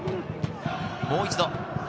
もう一度。